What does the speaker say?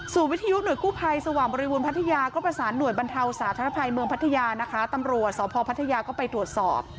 สูตรวิทยุทธ์หน่วยกู้ภัยสวรรค์บริวุณภัทยาก็ประสานหน่วยบรรเทาสาธารณภัยเมืองภัทยาตำรวจสพภัทยาก็ไปตรวจสอบ